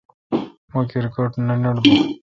مہ کرکٹ نہ نٹ بون۔